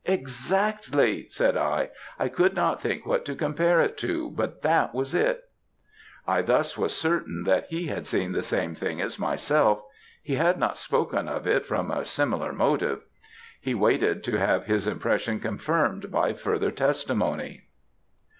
"'Exactly,' said I. 'I could not think what to compare it to; but that was it.' "I thus was certain that he had seen the same thing as myself; he had not spoken of it from a similar motive; he waited to have his impression confirmed by further testimony.